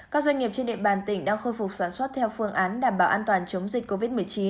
các doanh nghiệp trên địa bàn tỉnh đang khôi phục sản xuất theo phương án đảm bảo an toàn chống dịch covid một mươi chín